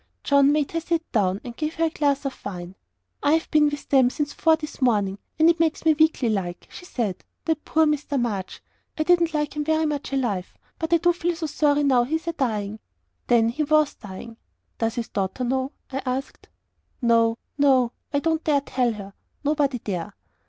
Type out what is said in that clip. John made her sit down, and gave her a glass of wine. "I've been with them since four this morning, and it makes me weakly like," said she. "That poor Mr. March! I didn't like him very much alive, but I do feel so sorry now he's a dying." Then he WAS dying. "Does his daughter know?" I asked. "No no I dare not tell her. Nobody dare."